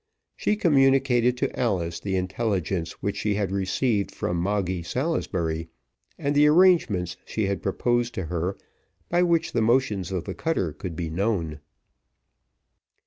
She communicated to Alice the intelligence which she had received from Moggy Salisbury, and the arrangements she had proposed to her, by which the motions of the cutter could be known.